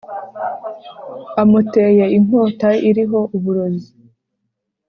amuteye inkota iriho uburoz